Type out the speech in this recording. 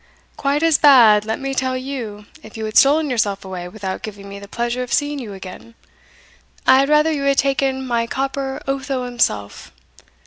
"Quite as bad, let me tell you, if you had stolen yourself away without giving me the pleasure of seeing you again. I had rather you had taken my copper Otho himself.